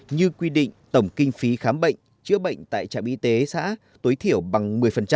như quy định tổng kinh phí khám bệnh chữa bệnh tại trạm y tế xã tối thiểu bằng một mươi